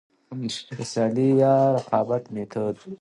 د سيالي يا رقابت ميتود: